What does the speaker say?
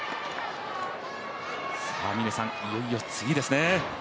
峰さん、いよいよ次ですね。